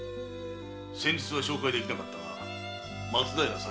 先日は紹介できなかったが松平左京亮。